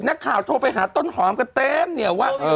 นักข่าวโทรไปหาต้นหอมกันเต็มเนี่ยว่า